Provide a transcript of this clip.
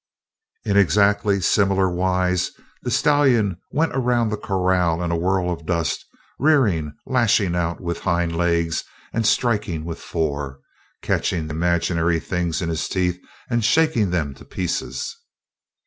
In exactly similar wise the stallion went around the corral in a whirl of dust, rearing, lashing out with hind legs and striking with fore, catching imaginary things in his teeth and shaking them to pieces.